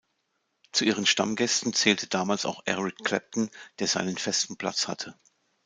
Zu ihren Stammgästen zählte damals auch Eric Clapton, der seinen festen Platz hatte.